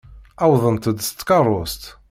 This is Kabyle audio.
Uwḍent-d s tkeṛṛust.